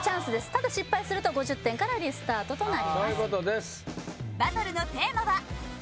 ただ失敗すると５０点からリスタートとなります